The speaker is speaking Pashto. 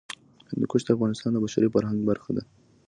هندوکش د افغانستان د بشري فرهنګ برخه ده.